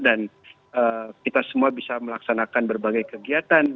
dan kita semua bisa melaksanakan berbagai kegiatan